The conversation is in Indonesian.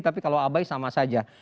tapi kalau abai sama saja